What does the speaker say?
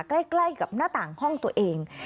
ใกล้กับหน้าต่างห้องตัวเอง